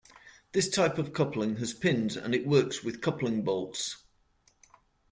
This type of coupling has pins and it works with coupling bolts.